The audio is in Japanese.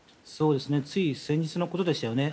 つい先日のことでしたよね。